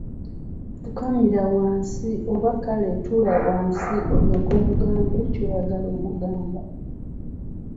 Fukamira wansi oba kale tuula wansi olyoke omugambe ky'oyagala okumugamba.